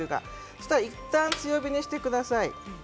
いったん、強火にしてください。